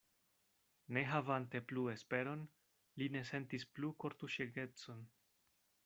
Ne havante plu esperon, li ne sentis plu kortuŝegecon.